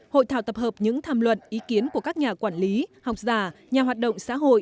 hội thảo tập hợp những tham luận ý kiến của các nhà quản lý học giả nhà hoạt động xã hội